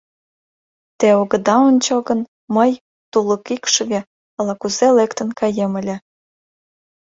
Те огыда ончо гын, мый, тулык икшыве, ала-кузе лектын каем ыле.